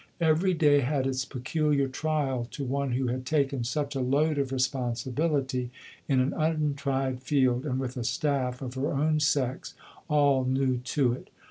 Every day had its peculiar trial to one who had taken such a load of responsibility, in an untried field, and with a staff of her own sex, all new to it.